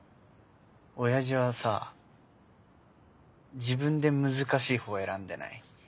親父はさ自分で難しい方選んでない？